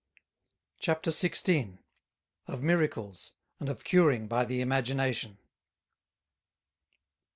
CHAPTER XVI. _Of Miracles; and of Curing by the Imagination.